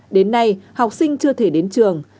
đến nay học sinh chưa thể đến trường